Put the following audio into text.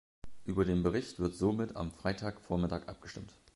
Über den Bericht wird somit am Freitag vormittag abgestimmt.